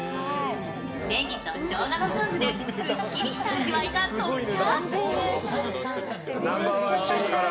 ねぎとしょうがのソースですっきりした味わいが特徴。